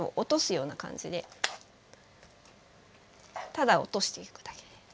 ただ落としていくだけ。